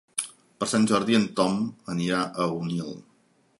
Per Sant Jordi en Tom anirà a Onil.